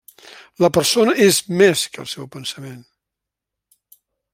La persona és més que el seu pensament.